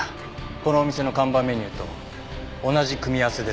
このお店の看板メニューと同じ組み合わせですよね？